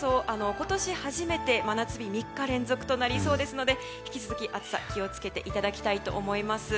今年初めて真夏日が３日連続となりそうですので引き続き暑さに気を付けていただきたいと思います。